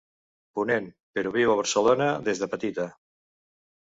Ponent, però viu a Barcelona des de petita.